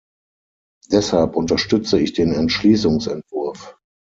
Deshalb unterstütze ich den Entschließungsentwurf.